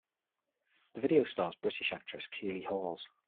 The video stars British actress Keeley Hawes.